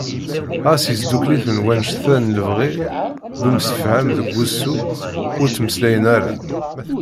Ɣas yesdukel-iten wanect-a n lebɣi d umsefham deg wussu, ur ttmeslayen ara.